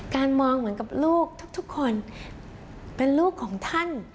มองเหมือนกับลูกทุกคนเป็นลูกของท่าน